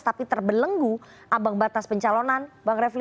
tapi terbelenggu ambang batas pencalonan bang refli